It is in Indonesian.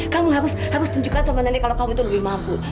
kamu harus tunjukkan sama nenek kalau kamu itu lebih mabu